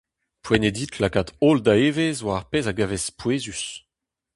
Poent eo dit lakaat holl da evezh war ar pezh a gavez pouezus.